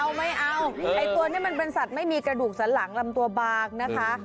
เอาไม่เอาไอ้ตัวนี้มันเป็นสัตว์ไม่มีกระดูกสันหลังลำตัวบางนะคะ